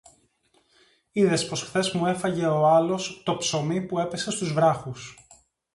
Είδες πως χθες μου έφαγε ο άλλος το ψωμί που έπεσε στους βράχους